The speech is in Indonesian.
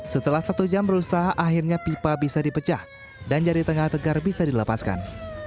setelah satu jam berusaha akhirnya pipa bisa dipecah dan jari tengah tegar bisa dilepaskan